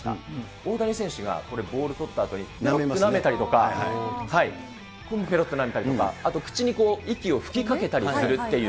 大谷選手が、これ、ボール捕ったあとになめたりとか、ぺろっとなめたりとか、あと、口に息を吹きかけたりするっていう。